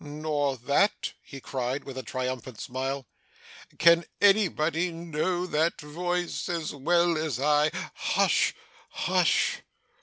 'Nor that?' he cried, with a triumphant smile, 'Can any body know that voice so well as I? Hush! Hush!